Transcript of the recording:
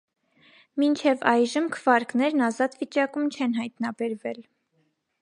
Մինչև այժմ քվարկներն ազատ վիճակում չեն հայտնաբերվել։